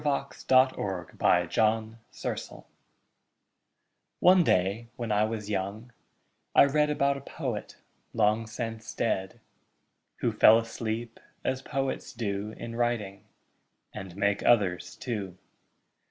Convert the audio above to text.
XXIX THE POET WHO SLEEPS One day, when I was young, I read About a poet, long since dead, Who fell asleep, as poets do In writing and make others too.